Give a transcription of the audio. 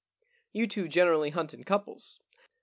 You two generally hunt in couples.